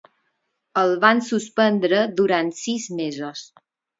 El van suspendre durant sis mesos.